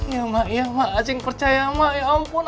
ya mak ya mak asing percaya mak ya ampun